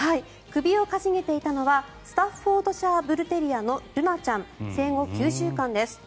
首を傾げていたのはスタッフォードシャー・ブル・テリアのルナちゃん生後９週間です。